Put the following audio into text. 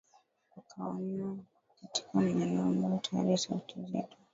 wakaona katika maeneo ambayo tayari sauti zetu